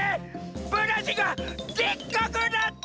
ブラシがでっかくなってる！